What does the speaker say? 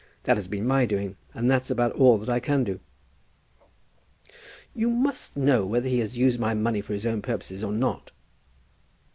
That has been my doing; and that's about all that I can do." "You must know whether he has used my money for his own purposes or not."